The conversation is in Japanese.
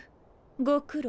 ご苦労。